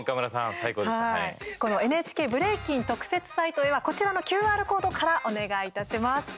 ＮＨＫのブレイキン特設サイトへはこちらのＱＲコードからお願いいたします。